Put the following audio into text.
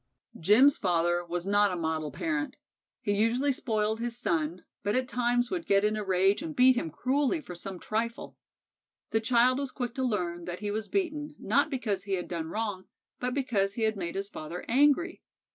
Jim's father was not a model parent. He usually spoiled his son, but at times would get in a rage and beat him cruelly for some trifle. The child was quick to learn that he was beaten, not because he had done wrong, but because he had made his father angry.